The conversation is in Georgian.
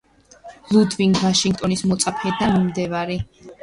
ლუდვიგ ვიტგენშტაინის მოწაფე და მიმდევარი.